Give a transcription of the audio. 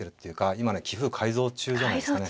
今ね棋風改造中じゃないですかね。